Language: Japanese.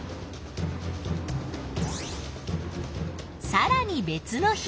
さらに別の日。